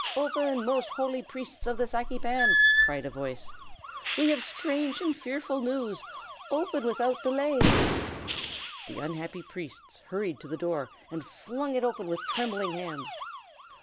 "Open, most holy Priests of the Saki Pan!" cried a voice. "We have strange and fearful news! Open without delay!" The unhappy priests hurried to the door, and flung it open with trembling hands.